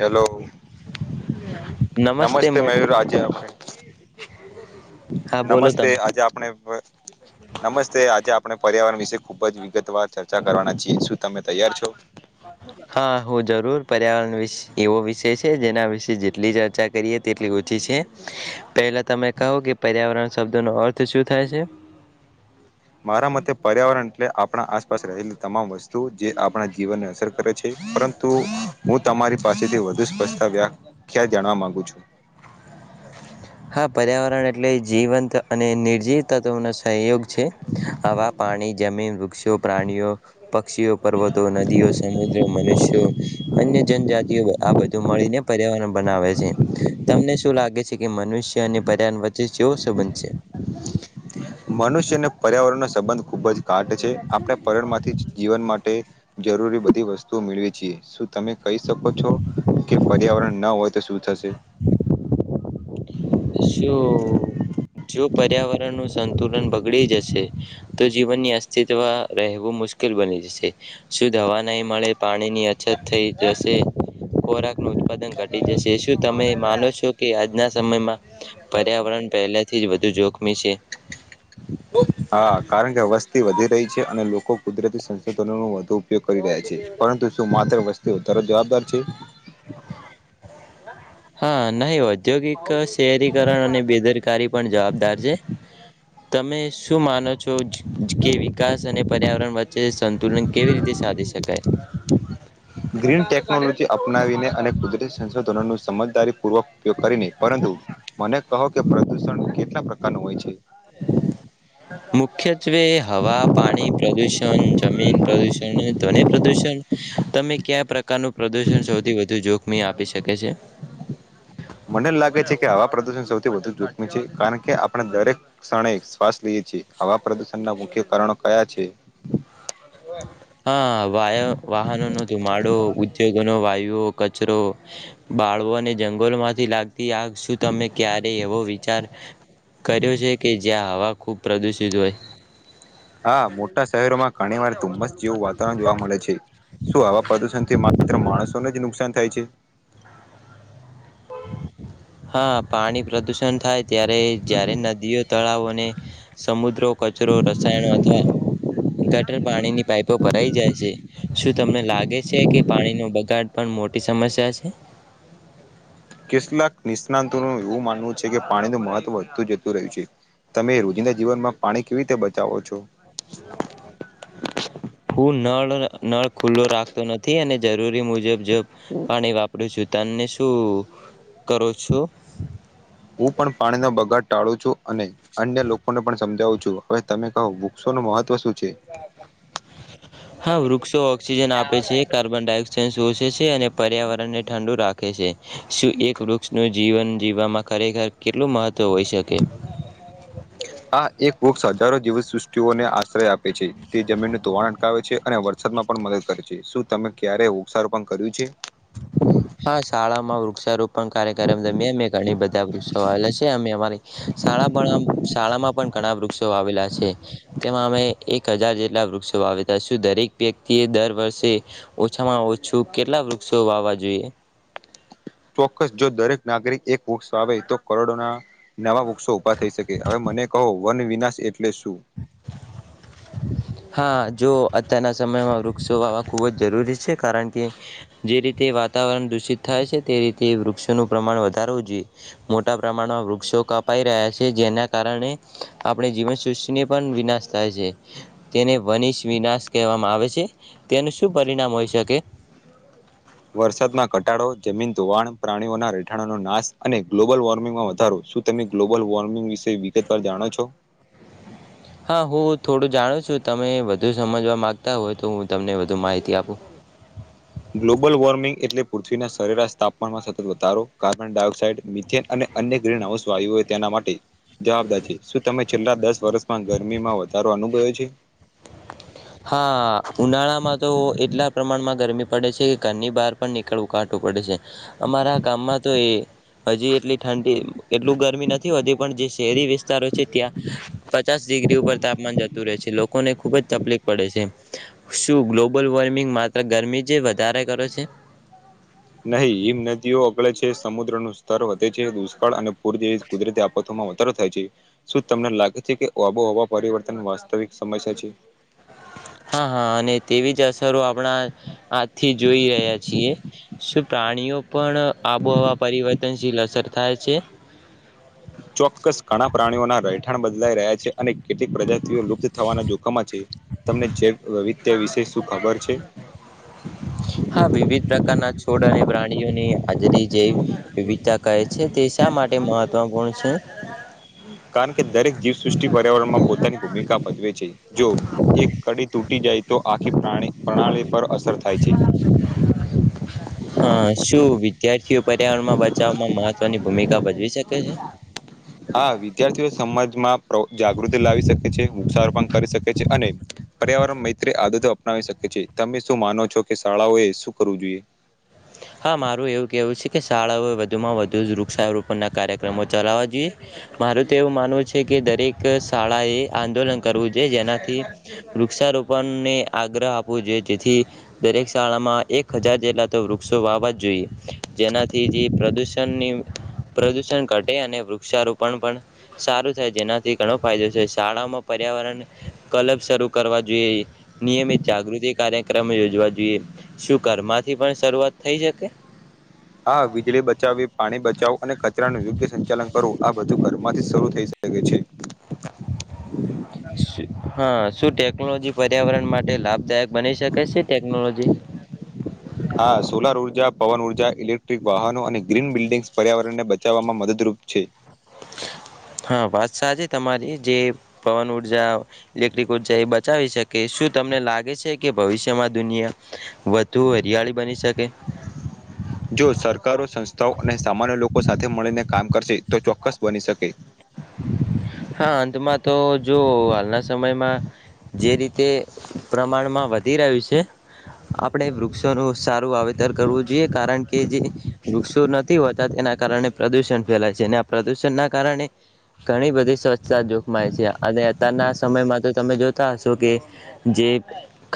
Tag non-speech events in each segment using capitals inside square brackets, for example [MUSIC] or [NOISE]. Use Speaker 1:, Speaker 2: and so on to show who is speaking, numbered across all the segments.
Speaker 1: Hello. નમસ્તે મયૂર રાજે
Speaker 2: હા બોલો
Speaker 1: નમસ્તે
Speaker 2: તમે
Speaker 1: આજે આપણે, નમસ્તે આજે આપણે પ પર્યાવરણ વિશે ખુબ જ વિગતવાર ચર્ચા કરવાના છીએ, શું તમે તૈયાર છો?
Speaker 2: હા, હું જરૂર પર્યાવરણ વિશ એવો વિષય છે જેના વિશે જેટલી ચર્ચા કરીએ તેટલી ઓછી છે. પહેલા તમે કહો કે પર્યાવરણ શબ્દોનો અર્થ શું થાય છે?
Speaker 1: મરા મતે પર્યાવરણ એટલે આપણા આસપાસ રહેલી તમામ વસ્તુ જે આપણા જીવનને અસર કરે છે, પરંતુ હું તમારી પાસેથી વધુ સ્પષ્ટતા વ્યાખ જાણવા માંગુ છું.
Speaker 2: આ પર્યાવરણ એટલે જીવંત અને નિર્જીવ તત્વનો સહયોગ. છે. આવા પાણી, જમીન, વૃક્ષો, પ્રાણીઓ પક્ષીઓ, પર્વતો, નદીઓ, સમુદ્રો, મનુષ્યો, અન્ય જનજાતિ [UNINTELLIGIBLE] આ બધું મળીને પર્યાવરણ બનાવે છે, તમને શું લાગે કે મનુષ્ય અને પર્યારણ વચ્ચે જેવો સંબંધ છે?
Speaker 1: મનુષ્ય અને પર્યાવરણનો સંબંધ ખુબજ કાટ છે આપણે પરણ માંથી જીવન માટે જરૂરી બધી વસ્તુઓ મેળવી છેી શું તમે કહી શકો છો કે પ પર્યાવરણ ન હોય તો શું થશે
Speaker 2: શું જો પર્યાવરણનું સંતુલન બગડી જશે તો જીવનની અસ્તિત્વ રહેવું મુશ્કેલ બની જશે શું દવા નહી મળે પાણી ની અછત થઈ જશે કોરા નું ઉત્પાદન ઘટી જશે શું તમે માનો છો કે આજના સમયમાં પર્યાવરણ પહેલાથી જ વ વધુ જોખમી છે
Speaker 1: હા કારણ કે વસ્તી વધી રહી છે અને લોકો કુદરતી સંશોધનોનું વધુ ઉપયોગ કરી રહ્યા છે પરંતુ શું માત્ર વસ્તુઓ તરત જવાબદાર છે
Speaker 2: હા નહી ઔદ્યોગિક શહેરીકરણ અને બેદરકારી પણ જવાબદાર છે તમે શું માનો છો કે વિકાસ અને પર્યાવરણ વચ્ચ વચ્ચે સંતુલન કેવી રીતે સાધી શકાય
Speaker 1: ગ્રીન ટેકનોલોજી અપનાવીને અને કુદરત સંશોધનો નો સમજદારી પૂર્વક ઉપયોગ કરીને પરંતુ મને કહો કે પ્રદુષણ કેટલા પ્રકાર ના હોય છે
Speaker 2: મુખ્યત્વે હવા પાણી પ્રદુષ ષણ જમીન પ્રદૂષણ ધ્વનિ પ્રદૂષણ તમે કયા પ્રકારનું પ્રદૂષણ સૌથી વધારે જોખમી આપી શકે છે
Speaker 1: મને લાગે છે કે હવા પ્રદુષણ સૌથી વધુ જોખમી છે કારણ કે આપણે દરેક ક્ષણે શ્વાસ લઈએ છીએ હવા પ્રદુષણના મુખ્ય કારણો કયા છે
Speaker 2: હા વાય વાહનો નો દમાડો ઉદ્યોગોનો વાયુ કચરો બાળવોને જંગલો માંથી લાગતી આ શું તમે ક્યારે એવો વિચાર કર્યો છે કે જ્યાં હવા ખૂબ પ્રદુષિત હોય
Speaker 1: હા મોટા શહેરોમાં ઘણી વારે ધૂમ્સ જેવું વાતાવરણ જોવા મ મળે છે શું આવા પ્રદુષણ થી મા માત્ર માણસોને જ નુકસાન થાય છે
Speaker 2: હા પાણી પ્રદુષણ થાય ત્યારે જારે નદીઓ તળાવોને સમુદ્રો કચરો રસાયણો અથવા ગટર પાણીની પાઇપો ભરાઈ જાય છે શું તમને લાગે છે કે પાણીનો બગાડ પણ મોટી સમસ્યા છે
Speaker 1: કેટલાક નિષ્ણાતો નો નું એવું માનવું છે કે પાણી ન મહત્વ વધતું જુ રહે છે તમે રોજિંદા જીવનમાં પાણી કેવી રીતે બચાવો છો
Speaker 2: હું નળ નળ ખુલ્લો રાખતો નથી અને જરૂરી મુજબ જ પાણી વાપ પરું છું તને શું કરો છો?
Speaker 1: હું પણ પાણીનો બગાડ ટાળું છું અને અન્ય લોકો ને પણ સમજાવું છુ હવે તમે કહો બુક્સો નું મહત્વ શું છે
Speaker 2: હા, વૃક્ષો ઓક્સિજન આપે છે કાર્બન ડાયોક્સાઇડ શ આપે છે અને પર્યાવરણ ને ઠંડુ રાખે છે શું એક વૃક્ષનું જીવન જીવવામાં ખરેખર કેટલું મહત્ત્વ હોઈ શકે
Speaker 1: આા એક વૃક્ષ હજારો જીવ સૃષ્ટિઓને આશ્રય આપે છે તે જમીન ધોવાણ અટકાવે છે અને વરસાદમાં પણ મદદ કરે છે શું તમે ક્યારે વૃક્ષારોપણ કર્યું છે?
Speaker 2: હા શાળામાં વૃક્ષારોપણ પણ કાર્યક્રમમ દરમિયાન ઘણી બધા વૃક્ષો વાવેલા છે અમે અમારી શાળા પણ શાળામાં પણ ઘણા વૃક્ષો વાવેલા છે તેમાં અમે એક હજાર જેટલા વૃક્ષો વાવેતા છ, દરેક વ્યક્તિ એ દર વર્ષે ઓછામાં ઓછું કેટલા વૃક્ષો વાવા જોઈએ
Speaker 1: ચોક્કસ જો દરેક નાગરિક એક વૃક્ષ વાવે તો કરોડોના નવા ઉભા થઈ શકે હવે મને કહો વન વિનાશ એચ એટલે શું?
Speaker 2: હા જો અત્યારના સમયમાં વૃક્ષો વાવવા ખૂબ જ જરૂરી છે કારણ કે જે રીતે વાતાવરણ દૂષિત થાય છે તે રીતે વૃક્ષોનું પ્રમાણ વધારવું જોઈએ મોટા પ્રમાણમાં વૃક્ષો કપાઈ રહ્યા છે જેના કારણે આપણે જીવન સૃષ્ટિ ને પણ વિનાશ થાય છે તેને વનિષ વિનાશ કહેવામાં આવે છે તેનું શું પરિણામ હોઈ શકે
Speaker 1: વરસાદમાં ઘટાડો, જમીન ધોવાણ, પ્રાણીઓના રહેઠાણનો નાશ અને ગ્લોબલ વોર્મિંગમાં વધારો શું તમે ગ્લોબલ વોર્મિંગ વિશે વિગતવાર જાણો છો?
Speaker 2: હા, હું થોડું જાણું છું. તમે વધુ સમજવા માંગતા હોય તો હું તમને વધુ માહિતી આપું
Speaker 1: ગ્લોબલ વોર્મિંગ એટલે પૃથ્વીના સરેરાશ તાપમાનમાં સતત વધારો કાર્બન ડાયોક્સાઇડ, મિથેન અને અન્ય ગ્રીન હાઉસ વાયુઓ તેના માટે જવાબદાર છે. શું તમે છેલ્લા દસ વર્ષમાં ગરમીમાં વધારો અનુભવ્યો છે?
Speaker 2: હા, ઉનાળામાં તો એટલા પ્રમાણમાં ગરમી પડે છે કે ઘરની બહાર પણ નીકળવું કાટું પડે છે. અમારા ગામમાં તો એ હજી એટલી ઠંડી એટલું ગરમી નથી હોતી, પણ જે શહેરી વિસ્તારો છે ત્યાં પચાસ ડિગ્રી ઉપર તાપમાન જતું રહે છે. લોક કોને ખૂબજ તકલીફ પડે છે. શું ગ્લોબલ વોર્મિંગ માત્ર ગરમી જે વધારે કરે છે?
Speaker 1: નહીં હિમ નદીઓ અગળે છે, સમુદ્ર નું સ્તર વધે છે, દુષ્કાળ અને પૂર જેવી કુદરતી આપતોમાં વધારો થાય છે. શું તમને લાગે છે કે આબોહવા પરિવર્તન વાસ્તવિક સમસ્યા છે
Speaker 2: હા, હા, અને તેવીજ આ [UNINTELLIGIBLE] આપણા આથી જોઈ રહ્યા છીએ, શું પ્રાણીઓ પણ આબોહવા પરિવર્તન ઝીલ અસર થાય છે?
Speaker 1: ચોક્કસ ઘણા પ્રાણીઓના રહેઠાણ બદલાઈ રહ્યા છે અને કેટલીક પ્રજાતિઓ લુપ્ત થવાના જોખમાં છે. તમને જે વવધ્ય વિશે શું ખબર છે?
Speaker 2: હા વિવિધ પ્રકારના છોડ અને પ્રાણીઓની હાજરી જે વિવિધતા કહે છે, તે શા માટે મહત્વપૂર્ણ છે?
Speaker 1: કારણકે દરેક જીવસૃષ્ટિ પર્યાવરણ માં પોતાની ભૂમિકા ભજવે છે જો એક કડી તૂટી જાય તો આખી પ્રાણી પ્રણાલી પર અસર થાય છે
Speaker 2: હા શું બી વિદ્યાર્થીઓ પર્યાવરણમાં બચાવમાં મહત્વ તોની ભૂમિકા ભજવી શકે છે
Speaker 1: હા વિદ્યાર્થીઓ સમાજમાં જાગૃતિ લાવી શકે છે વૃક્ષારોપણ કરી શકે છે અને પર્યાવરણ મૈત્રી આદતો અપનાવી શકે છે તમે શું માનો છો કે શાળાઓ એ શું કરવું જોઈએ
Speaker 2: હા મારું એવું કેહેવું છે કે શાળાઓ વધુમાં વધુ વૃક્ષારોપણ ના કાર્યક્રમો ચલાવા જોઈએ મારું તો એવું માનવું છે કે દરેક શાળા એ આંદોલન કરવું જોઈએ જેનાથી વૃક્ષારોપણને આગહ આપવુ જોયે જેથી દરેક શાળામાં એક હજાર જેટલા સો વાવા જ જોઈએ. જેનાથી જે પ્રદૂષ પણ ની પ્રદુષણ ઘટે અને વૃક્ષારોપણ પણ સારું થાય જેનાથી ઘણો ફાયદો છે શાળામાં પર્યાવરણ કલબ શરૂ કરવા જોઈએ નિયમિત જાગૃતિ કાર્યક્રમ યોજવા જોઈએ શું કરમાંથી પણ શરૂઆત થઈ જશે
Speaker 1: હા વીજળી બચાવવી પાણી બચાવો અને કચરા નું યોગ્ય સંચાલન કરવું આ બધું ઘર માંથી શરૂ થઈ શ શકે છે.
Speaker 2: હા શું ટેકનોલોજી પર્યાવરણ માટે લાભદાયક બની શકે છે ટેકનોલોજી
Speaker 1: હા સોલાર ઉર્જા પવન ઉર્જા ઇલેક્ટ્રિક વાહનો અને ગ્રીન બિલ્ડિંગ્સ પર્યાવરણને બચાવવામાં મદદરૂપ છે.
Speaker 2: હા વાત સાજ તમારી જે પવન ઉર્જા ઇલેક્ટ્રિક ઉર્જા એ બચાવી શકે શું તમને લાગે છે કે ભવિષ્યમાં દુનિયા વધુ હરિયાળી બની શ
Speaker 1: જો સરકારો સંસ્થાઓ અને સામાન્ય લોકો સા થે મળીને કામ કરશે તો ચોક્કસ બની શકે
Speaker 2: હા અંતમાં તો જો હાલના સમયમાં જે રીતે પ્રમાણમાં વધી રહ્યું છે. આપણે વૃક્ષોનું સારું વાવેતર કરવું જોઈએ કારણ કે જે વૃક્ષો થી હોતા તેના કારણે પ્રદૂષણ ફેલાય છે અને આ પ્રદૂષણના કારણે ઘણી બધી સ્વચ્છતા જોખમાય છે અને તાર ના સમયમાં તો તમે જો તા હશો કે જે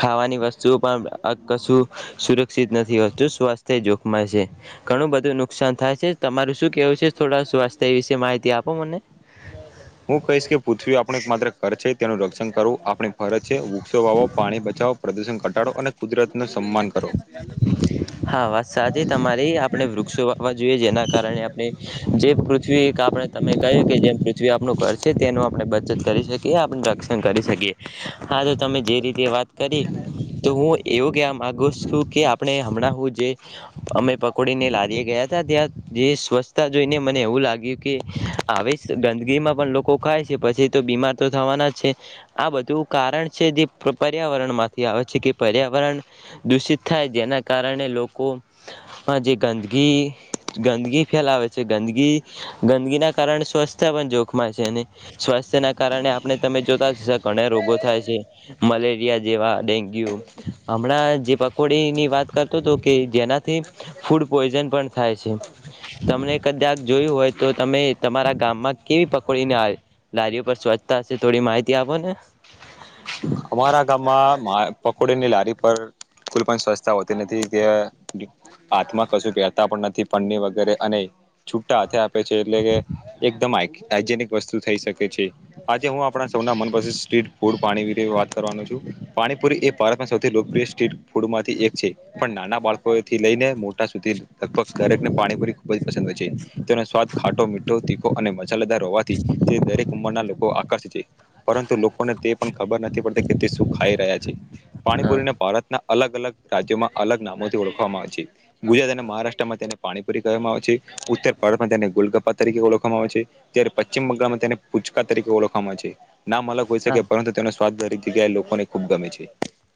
Speaker 2: ખાવાની વસ્તુઓ પણ કશું સુરક્ષિત નથી હોતું સ્વાસ્થ્ય જોખમ છે ઘણું બધું નુકસાન થાય છે તમારું શું કેવું છે થોડા સ્વાસ્થ્ય વિશે માહિતી આ
Speaker 1: હું કહીશ કે પૃથ્વી આપણું એક માત્ર ધર છે તેનું રક્ષણ કરવું આપણે છે વૃક્ષો વાવો પાણી બચાવો પ્રદૂષણ ઘટાડો અને કુદરતનું સન્માન કરો
Speaker 2: હા વાત સાચી તમારે આપણે વૃક્ષો વાવા જોઈએ જેના કારણે આપણે જે પૃ થ્વી આપણે તમે કહ્યું કે જેમ પૃથ્વી આપણ કરશે તેનું આપણે બચત કરી શકીએ આપણે રક્ષણ કરી શકીએ હા તો તમે જે રી તે વાત કરી તો હું એવું કે માગુ શું કે આપણે હમણાં જે અમે પકોડીને લારી ગયા હતા ત્યાં જે સ્વચ્છતા જોઈને મને એવું લાગ્યું કે આવી ગંદકીમાં પણ લોકો ખાય છે પછી તો બીમાર તો થવાના છે આ બધું કારણ છે જે પર્યાવરણ માંથી આવે છે કે પર્યાવરણ દૂષિત થાય જેના કાર કારણે લોકો જે ગંદગી ગંદગી ફેલાવે છે ગંદગ ગંદકી ના કારણે સ્વસ્થ પણ જોખમાં છે અને સ્વાસ્થ્ય ના કારણે આપણે તમે જોતા ઘણા રોગો થાય છે મલેરિયા જેવા ડેન્ગ્યુ હમણાં જે પકોડીની વાત કર તો તો કે જેનાથી ફૂડ પોઈઝન પણ થાય છે તમને કદાચ જોયું હોય તો તમે તમારા ગામમાં કેવી પકડીને લારીઓ પર સ્વચ્છતાશે થોડી માહિતી આપો ને
Speaker 1: અમારા ગામમાં પકોડની લારી પર કુલ પણ સ્વચ્છતા હોતી નથી કે હાથમાં કશું પહેરતા પણ નથી પની વગેરે અને છુટા હાથે કે છે એટલે કે એકદમ આ હાયજનિક વસ્તુ થઈ શકે છે આજે હું આપણા સૈના મનપસંદ સ્રીટ ફૂડ પાણી વીશે વાત કરવાનુ છુ પાણીપુરી એ ભારતમાં સૌથી લોકપ્રિય સ્ટ્રીટ ફૂડ માંથી એક છે પણ નાના બાળકોથી લઈને મોટા સુધી લગભગ દરેકને પાણીપુરી ખૂબ જ પસંદ હોય છે તેનો સ્વાદ ખા તો મીઠો તીખો અને મચેલેદાર હોવાથી તે દરેક કુંમરના લોકો આકર્ષિત છે પરંતુ લોકોને તે પણ ખબર નથી તે શું ખાઈ રહ્યા છે પાણી
Speaker 2: હા
Speaker 1: પુરીને ભારતના અલગ અલગ રાજ્યોમાં અલગ નામોથી ઓળખવામાં આવે છે ગુજરાત અને મહારાષ્ટ્રમાં તેને પાણીપુરી કહેવામાં આવે છે ઉત્તર ભારતમાં તેને ગોલગપ્પા તરીકે ઓળખવામાં આવે છે ત્યારે પશ્ચિમ બંગાળમાં તેને પૂચકા તરીકે ઓળખવામાં આવે છે ના અલગ હોઈ
Speaker 2: હા
Speaker 1: શકે પરંતુ તેનો સ્વાદ દરેક જગ્યા એ લોકોને ખુબ ગમે છે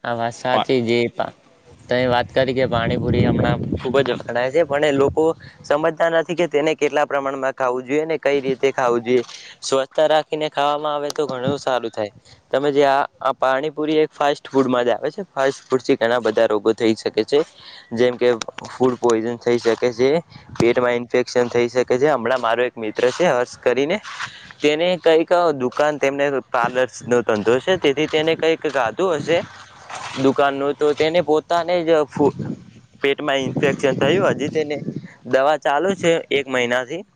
Speaker 2: આ વાત
Speaker 1: પા
Speaker 2: સાચી જે ત વાત કરીકે પાણીપુરી હમણાં ખુબ જ વખડાય છે પણ એ લોકો સમજતા નથી કે તેને કેટલા પ્રમાણમાં ખાવું જોઈએ ને કઈ રીતે ખાવું જોઈએ સ્વસ્થ રાખીને ખાવામાં આવે તો ઘણું સારું થાય તમે જે આ પાણીપુરી એક ફાસ્ટ ફાસ્ટ ફૂડમાં જ આવે છે ફાસ્ટ ફૂડથી ઘણા બધા રોગો થઈ શકે છે જેમ કે ફૂડ પોઈઝન થઈ શકે છે પેટમાં ઇન્ફેક્શન થઈ શકે છે હમણાં મારો એક મિત્ર છે હર્ષ કરીને તેને કઈક દુકાન તેમને પાર્લર્સ નો ધંધોષ છે તેથી તેને કંઈક ગાધું હશે દુકાન ન તો તેને પોતે પોતાને જ પેટમાં ઈન્ફેક્શન થયું હજી તેને દવા ચાલુ છે એક મહિનાથી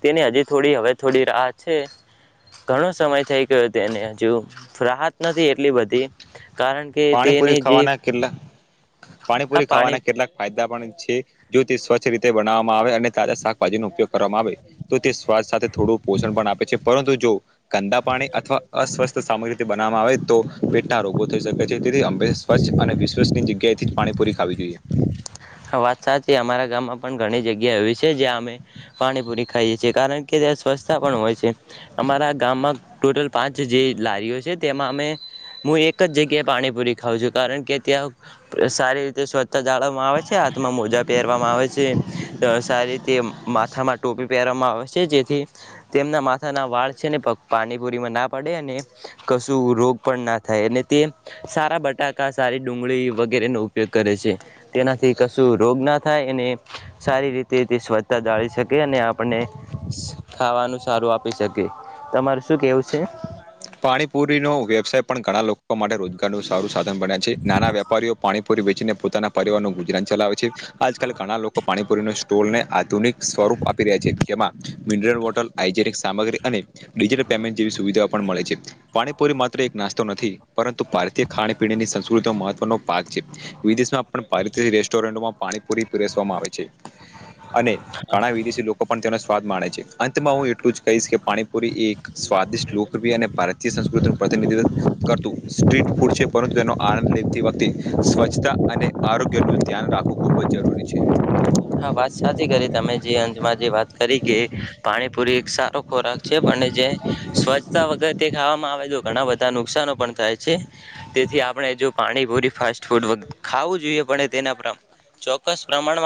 Speaker 2: તેની હજીુ થોડી હવે થોડી રાહત છે ઘણો સમય થઈ ગયો તેને હજુ રાહત નથી એટલી બધી [UNINTELLIGIBLE] કારણ કે તેને
Speaker 1: પાણીપુરી
Speaker 2: જે
Speaker 1: ખાવાના કેટલા
Speaker 2: આ
Speaker 1: પાણીપુરી
Speaker 2: પાણી
Speaker 1: ખાવાના કેટલાક ફાયદા પણ છે જો તે સ્વચ્છ રીતે બનાવવામાં આવે અને તાજા શાકભાજી નો ઉપયોગ કરવામાં આવે તો તે સ્વાથ સાથે થોડું પોષણ પણ આપે છે પરંતુ જો કંદા પાણી અથવા અસ્વસ્થ સામગ રીતે બનાવામાં આવે તો પેટ ના રોગો થઈ શકે જે તેથી અંબે સ્વચ્છ અને વિશવસની જગ્યાએથી પાણીપુરી ખાવી જોઈએ
Speaker 2: વાત સાચી અમારા ગામમાં પણ ઘણી જગ્યા એવી છે જ્યાં અમે પાણીપુરી ખાઈએ છીએ કારણ કે ત્યાં સ્વચ્છતા પણ હોય છે અમારા ગામમાં ટોટલ પાંચ જે લારીઓ છે તેમાં અમે હું એક જ જગ્યાએ પાણીપુરી ખાવઉં છું કારણ કે ત્યાં સારી રીતે સ્વચ્છતા જાળવ હાથમાં મોજા પહેરવામાં આવે છે સારી રીતે માથામાં ટોપી પહેર આવે છે જેથી તેમના માથાના વાળ છેને પાણીપુરીમાં ના પડે અને કશું રોગ પણ ના થાય અને તે સારા બટાકા સારી ડુંગળી વગેરેનોો ઉપયોગ કરે છે તેનાથી કશું રોગ ના થાય એને સારી રીતે તે સ્વચ્છતા જાાળી શકે અને આપણને ખાવાનું સારું આપી શકે તમાર શું કેવું છે
Speaker 1: પાણીપુરી નો વ્યવસાય પણ ઘણા લોકો માટે રોજગાર નું સારું સાધન બન્યા છે નાના વેપારીઓ પાણી વેચીને પોતાના પરિરનું ગુજરાન ચલાવે છે આજ કલ ઘણા લોકો પાણીપુરી ન સ્ટોલ આધુનિક સ્વરૂપ આપી રહ્યા છે જેમાં મિનરલ વોટર હાજેનિક સામગ્રી અને ડિજિટલ પેમેન્ટ જેવી સુવિધાઓ પણ મળે છે પાણીપુરી માત્ર એક નાસ્ તો નથી પરંતુ ભારતીય ખાણીપીણીની સં મહત્વ પાક છે, વિદેશમાં પણ પારિતિક રેસ્ટોરન્ટમાં પાણીપુરી પરસવામાં આવે છે. અને ઘણા વિદેશી લોકો પણ તેને સ્વાદ માણે છે. અંતમાં હું એટલું જ કહીશ કે પાણીપુરી એક સ્વાદિષ્ટ લુક અને ભારતીય સંસ્કૃતિનું પ્રતિનિધિત્વ કરતું સ્ટ્રીટ ફૂડ છે. પરંતુ, તેનો આનંદ લેતી વખતે સ્વચ્છતા અને આરોગ્યનું ધ્યાન રાખવું ખૂબ જ જરૂરી છે.
Speaker 2: હા, વાત સાચી કરી તમે, જે અંજમાં જે વાત કરી કે પાણીપુરી એક સારો ખોરાક છે, પણ જે સ્વચ્છતા વગર તે ખાવામાં આવે, તો ઘણા બધા નુકસાનો પણ થાય છે. તેથી, આપણે જો પાણીપુરી ફાસ્ટ ફૂડ ખાવું જોઈએ, પણ તેના ચોક્કસ પ્રમાણમાં.